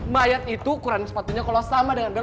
mayat itu ukuran sepatunya kalau sama dengan gas